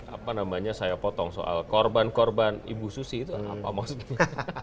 apa namanya saya potong soal korban korban ibu susi itu apa maksudnya